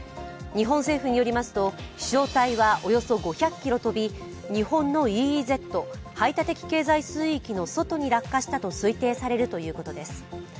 日本政府によりますと、飛翔体はおよそ５００ｋｍ飛び日本のＥＥＺ＝排他的経済水域の外に落下したと推定されるということです。